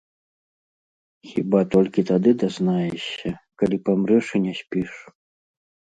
Хіба толькі тады дазнаешся, калі памрэш і не спіш.